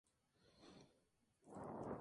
Extremadamente inflamable.